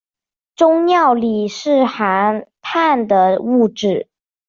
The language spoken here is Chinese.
终尿里面是含氮的物质。